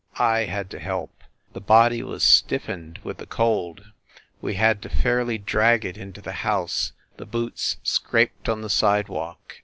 ... I had to help ... the body was stiffened with the cold ... we had to fairly drag it into the house ... the boots scraped on the sidewalk